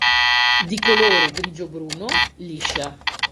Di colore grigio-bruno, liscia.